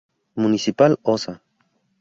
Municipal Osa.